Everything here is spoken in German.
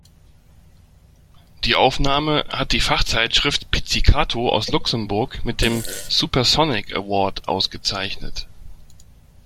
Die Aufnahme hat die Fachzeitschrift Pizzicato aus Luxemburg mit dem "Supersonic Award" ausgezeichnet.